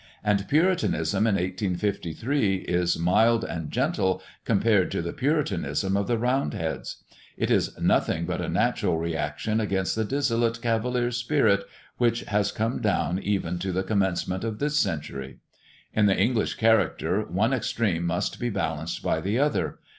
And Puritanism in 1853 is mild and gentle compared to the Puritanism of the Round heads; it is nothing but a natural reaction against the dissolute Cavalier spirit which has come down even to the commencement of this century. In the English character one extreme must be balanced by the other.